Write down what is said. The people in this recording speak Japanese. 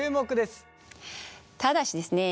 ただしですね